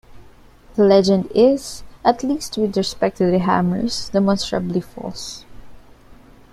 The legend is, at least with respect to the hammers, demonstrably false.